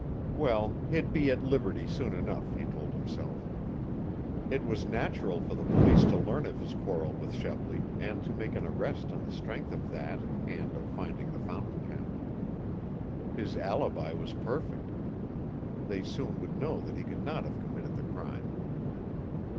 Well, he'd be at liberty soon enough, he told himself. It was natural for the police to learn of his quarrel with Shepley and to make an arrest on the strength of that and of finding the fountain pen. His alibi was perfect; they soon would know that he could not have committed the crime.